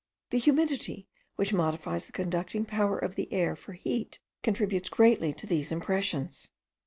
The humidity, which modifies the conducting power of the air for heat, contributes greatly to these impressions.